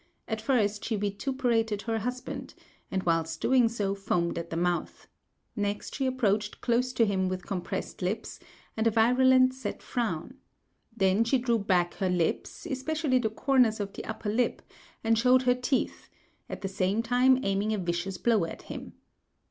At first she vituperated her husband, and whilst doing so foamed at the mouth. Next she approached close to him with compressed lips, and a virulent set frown. Then she drew back her lips, especially the corners of the upper lip, and showed her teeth, at the same time aiming a vicious blow at him.